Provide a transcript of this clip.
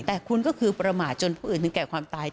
แต่คุณก็คือประมาทจนผู้อื่นถึงแก่ความตาย